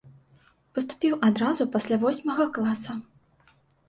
Паступіў адразу пасля восьмага класа.